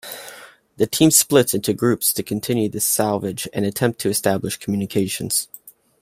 The team splits into groups to continue the salvage and attempt to establish communications.